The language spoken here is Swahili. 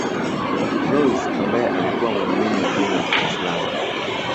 Rose ambaye alikuwa muumini wa dini ya kiislamu